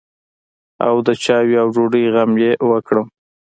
او د چايو او ډوډۍ غم يې وکړم.